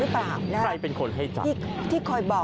ใครเป็นคนให้จับ